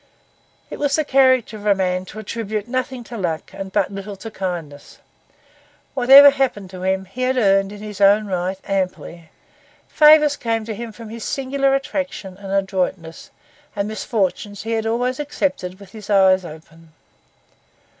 It was the character of the man to attribute nothing to luck and but little to kindness; whatever happened to him he had earned in his own right amply; favours came to him from his singular attraction and adroitness, and misfortunes he had always accepted with his eyes open.